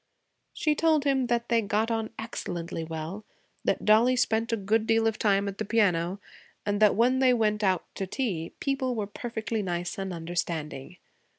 She told him that they got on excellently well, that Dollie spent a good deal of time at the piano, and that when they went out to tea people were perfectly nice and understanding.